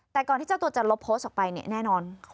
แต่ก่อนที่เจ้าตัวจะลบโพสต์ออกไปเนี่ยแน่นอน